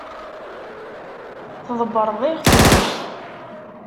Tḍebbreḍ iɣef-nnek.